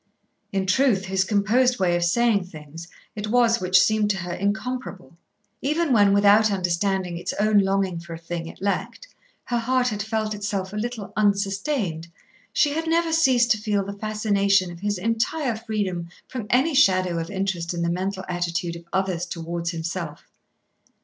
In truth, his composed way of saying things it was which seemed to her incomparable. Even when, without understanding its own longing for a thing it lacked, her heart had felt itself a little unsustained she had never ceased to feel the fascination of his entire freedom from any shadow of interest in the mental attitude of others towards himself.